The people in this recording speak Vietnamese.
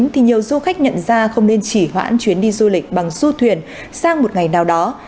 thì nhiều du khách nhận ra không nên chỉ hoãn chuyến đi du lịch bằng du thuyền sang một ngày nào đó